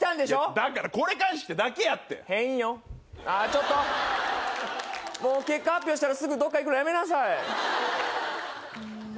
だからこれ返しただけやって変よああちょっともう結果発表したらすぐどっかいくのやめなさいホンマ